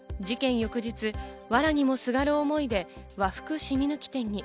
翌日、藁にもすがる思いで和服染み抜き店に。